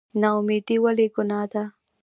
نااميدي ولې ګناه ده؟